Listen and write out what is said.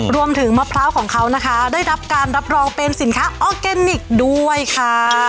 มะพร้าวของเขานะคะได้รับการรับรองเป็นสินค้าออร์แกนิคด้วยค่ะ